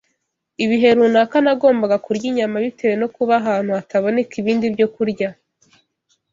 Ibihe runaka nagombaga kurya inyama bitewe no kuba ahantu hataboneka ibindi byokurya